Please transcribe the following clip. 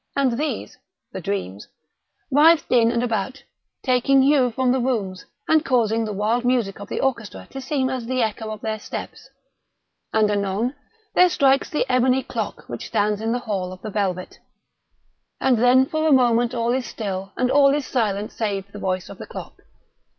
And these—the dreams—writhed in and about, taking hue from the rooms, and causing the wild music of the orchestra to seem as the echo of their steps. And, anon, there strikes the ebony clock which stands in the hall of the velvet. And then, for a moment, all is still, and all is silent save the voice of the clock.